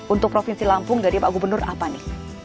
untuk provinsi lampung dari pak gubernur apa nih